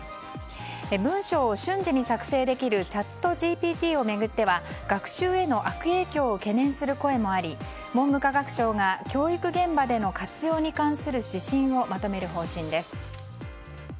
文章を瞬時に作成できるチャットＧＰＴを巡っては学習への悪影響を懸念する声もあり文部科学省が教育現場での活用に関する指針をまとめる方針です。